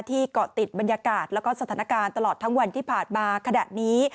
เกาะติดบรรยากาศแล้วก็สถานการณ์ตลอดทั้งวันที่ผ่านมาขณะนี้